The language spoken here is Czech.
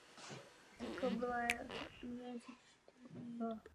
Nejznámější byl jako malíř lesní flóry a fauny.